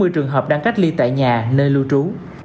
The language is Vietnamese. hai mươi một trăm bốn mươi trường hợp đang cách ly tại nhà nơi lưu trú